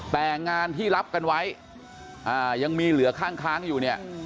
แต่งานที่รับกันไว้ยังมีเหลือข้างอยู่เนี่ย